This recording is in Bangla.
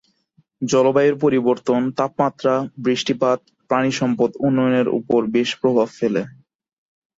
জলবায়ুর পরিবর্তন, তাপমাত্রা, বৃষ্টিপাত প্রাণিসম্পদ উন্নয়নের ওপর বেশ প্রভাব ফেলে।